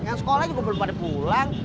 yang sekolah juga belum pada pulang